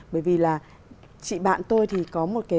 bởi vì là chị bạn tôi thì có một cái